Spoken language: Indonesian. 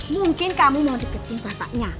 mungkin kamu mau deketin bapaknya